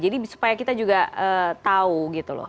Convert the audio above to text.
supaya kita juga tahu gitu loh